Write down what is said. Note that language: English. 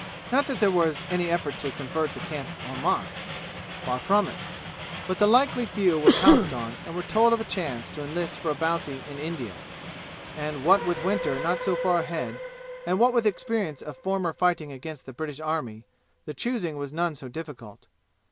Not that there was any effort made to convert the camp en masse. Far from it. But the likely few were pounced on and were told of a chance to enlist for a bounty in India. And what with winter not so far ahead, and what with experience of former fighting against the British army, the choosing was none so difficult.